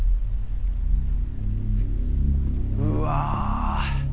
うわ。